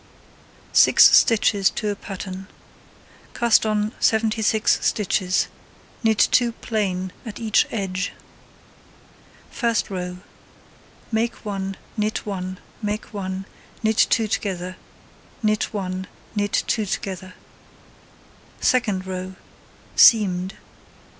Six stitches to a pattern. Cast on 76 stitches, knit 2 plain at each edge. First row: Make 1, knit 1, make 1, knit 2 together, knit 1, knit 2 together. Second row: Seamed.